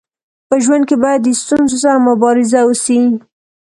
په ژوند کي باید د ستونزو سره مبارزه وسي.